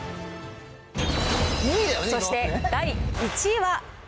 そして第１位は。